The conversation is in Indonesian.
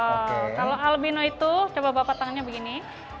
oh kalau albino itu coba bapak tangannya begini